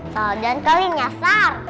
saljan kalinya sar